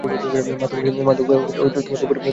মা তোমাকে দুপুরের খাবার দিয়েছে।